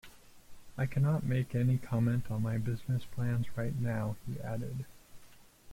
I cannot make any comment on my business plans right now." he added.